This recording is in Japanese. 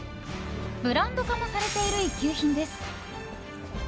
ブランド化もされている一級品です。